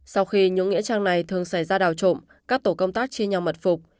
sau khi nhú nghĩa trang này thường xảy ra đào trộm các tổ công tác chia nhau mật phục